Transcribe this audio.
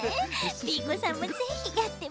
Ｂ子さんもぜひやってみてね。